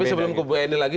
tapi sebelum bu eni lagi